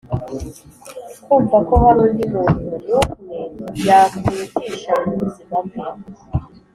kumva ko hari undi muntu n’umwe yakurutisha mu buzima bwe.